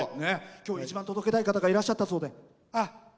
きょう一番届けたい方がいらっしゃったそうで。